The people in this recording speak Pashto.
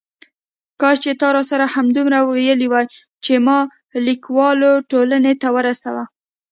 کاش چې تا راسره همدومره ویلي وای چې ما لیکوالو ټولنې ته ورسوه.